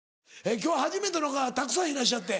今日は初めての方たくさんいらっしゃって。